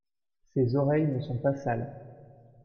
Ses oreilles ne sont pas sales.